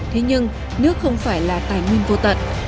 thế nhưng nước không phải là tài nguyên vô tận